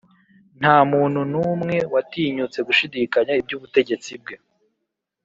nta muntu n’umwe watinyutse gushidikanya iby’ubutegetsi bwe